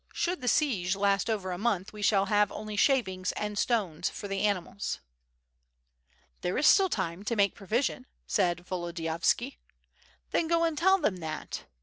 Should the siege last over a month we shall have only shavings and stones for the animals." "There is still time enough to make provision," said Volo diyovsky. "Then go and tell them that.